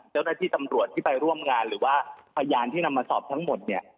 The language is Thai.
เจ้าหน้าที่ตำรวจที่ไปร่วมงานหรือว่าพยานที่นำมาสอบทั้งหมดเนี่ย